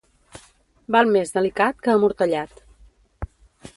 Val més delicat que amortallat.